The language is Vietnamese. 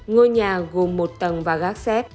ngôi nhà gồm một tầng và gác xép